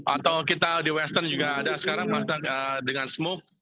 atau kita di western juga ada sekarang dengan smoke